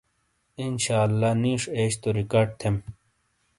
اِن شااللہ! نِیش ایش توریکارڈ تھیم۔